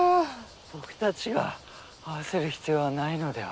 僕たちが合わせる必要はないのでは？